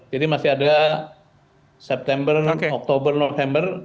jadi masih ada september oktober november